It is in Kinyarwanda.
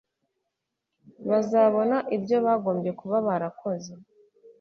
Bazabona ibyo bagombye kuba barakoze